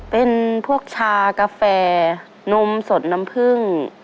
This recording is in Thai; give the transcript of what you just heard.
เป็นพวกชากาแฟนมสดน้ำผึ้ง